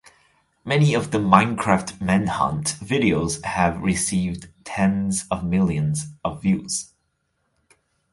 Many of the "Minecraft Manhunt" videos have received tens of millions of views.